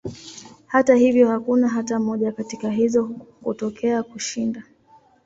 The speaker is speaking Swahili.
Hata hivyo, hakuna hata moja katika hizo kutokea kushinda.